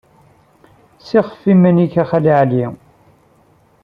Ssixfef iman-nnek a Xali Ɛli.